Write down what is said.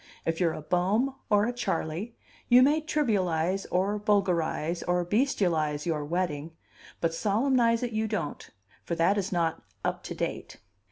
If you're a Bohm or a Charley, you may trivialize or vulgarize or bestialize your wedding, but solemnize it you don't, for that is not "up to date."